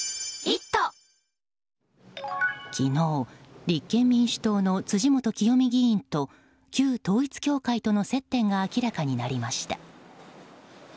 昨日、立憲民主党の辻元清美議員と旧統一教会との接点が明らかになりました。